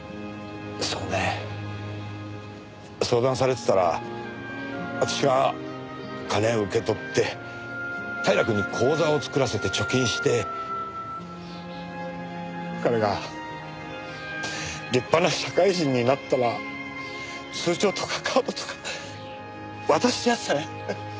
そうねぇ相談されてたら私が金を受け取って平くんに口座を作らせて貯金して彼が立派な社会人になったら通帳とかカードとか渡してやってたね。